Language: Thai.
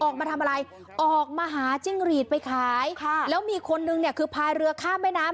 ออกมาทำอะไรออกมาหาจิ้งหรีดไปขายค่ะแล้วมีคนนึงเนี่ยคือพายเรือข้ามแม่น้ำ